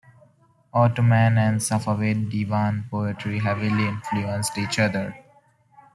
Ottoman and Safavid divan poetry heavily influenced each other.